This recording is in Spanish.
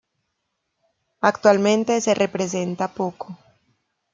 Actualmente se representa poco.